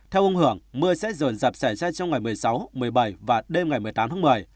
theo ông hưởng mưa sẽ dồn dập sẻ ra trong ngày một mươi sáu một mươi bảy và đêm ngày một mươi tám tháng một mươi